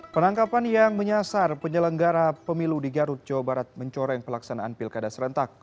penangkapan yang menyasar penyelenggara pemilu di garut jawa barat mencoreng pelaksanaan pilkada serentak